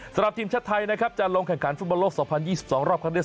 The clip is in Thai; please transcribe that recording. สำหรับทีมชาติไทยนะครับจะลงแข่งขันฟุตบอลโลก๒๐๒๒รอบครั้งนี้